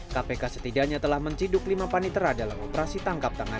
kpk setidaknya telah menciduk lima panitera dalam operasi tangkap tangan